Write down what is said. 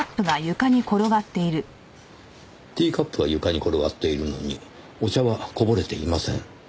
ティーカップは床に転がっているのにお茶はこぼれていません。